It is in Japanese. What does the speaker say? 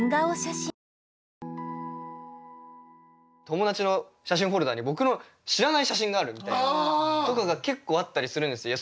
友達の写真フォルダに僕の知らない写真があるみたいな。とかが結構あったりするんですよ。